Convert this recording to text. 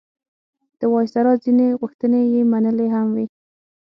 د وایسرا ځینې غوښتنې یې منلي هم وې.